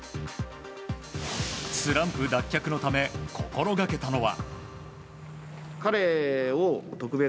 スランプ脱却のため心がけたのは。